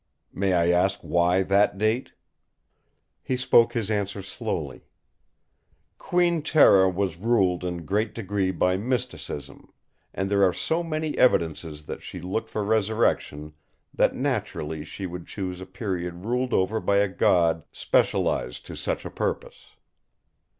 "May I ask why that date?" He spoke his answer slowly: "Queen Tera was ruled in great degree by mysticism, and there are so many evidences that she looked for resurrection that naturally she would choose a period ruled over by a God specialised to such a purpose.